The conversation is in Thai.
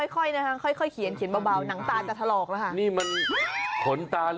ค่อยนะคะค่อยเขียนเขียนเบาหนังตาจะถลอกนะคะ